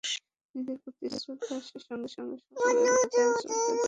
নিজের প্রতি শ্রদ্ধাহ্রাসের সঙ্গে সঙ্গে সকলেরই প্রতি তাহার শ্রদ্ধা যেন নামিয়া পড়িতে লাগিল।